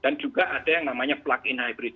dan juga ada yang namanya plug in hybrid